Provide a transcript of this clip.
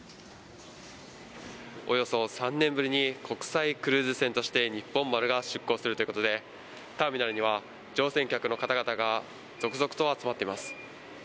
およそ３年ぶりに、国際クルーズ船としてにっぽん丸が出航するということで、ターミナルには乗船客の方々が続々と集まっています。